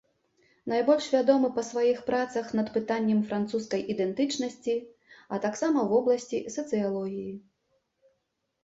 Найбольш вядомы па сваіх працах над пытаннем французскай ідэнтычнасці, а таксама ў вобласці сацыялогіі.